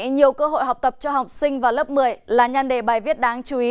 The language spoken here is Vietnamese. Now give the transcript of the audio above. nhiều cơ hội học tập cho học sinh vào lớp một mươi là nhan đề bài viết đáng chú ý